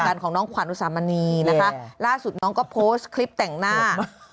ของน้องขวัญอุสามณีนะคะล่าสุดน้องก็โพสต์คลิปแต่งหน้า